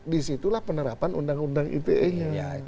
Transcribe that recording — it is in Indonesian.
di situlah penerapan undang undang ite nya